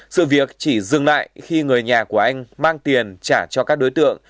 sự việc chỉ dừng lại khi người nhà của anh mang tiền trả cho các đối tượng